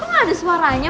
kok gak ada suaranya